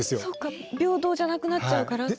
そっか平等じゃなくなっちゃうから。